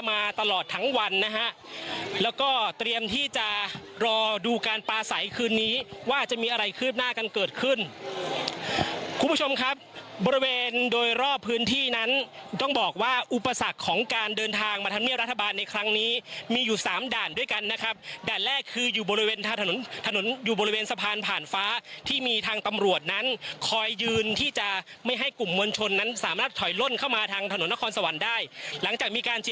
มาตลอดทั้งวันนะฮะแล้วก็เตรียมที่จะรอดูการปลาใสคืนนี้ว่าจะมีอะไรขึ้นหน้ากันเกิดขึ้นคุณผู้ชมครับบริเวณโดยรอบพื้นที่นั้นต้องบอกว่าอุปสรรคของการเดินทางมาธรรมเนียบรัฐบาลในครั้งนี้มีอยู่สามด่านด้วยกันนะครับด่านแรกคืออยู่บริเวณถ้าถนนถนนอยู่บริเวณสะพานผ่านฟ้าที่มีทางตำรวจ